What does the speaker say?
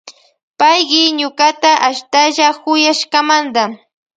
Payki ñukata ashtalla kuyashkamanta.